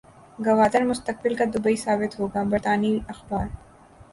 گوادر مستقبل کا دبئی ثابت ہوگا برطانوی اخبار